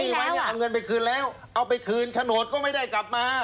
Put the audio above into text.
นี่ไว้เนี่ยเอาเงินไปคืนแล้วเอาไปคืนโฉนดก็ไม่ได้กลับมา